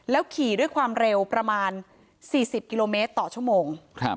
ขี่ด้วยความเร็วประมาณ๔๐กิโลเมตรต่อชั่วโมง